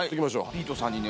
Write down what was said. ビートさんにね